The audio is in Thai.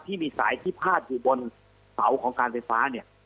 ที่มีสายที่พาดอยู่บนเสาของการไฟฟ้าเนี่ย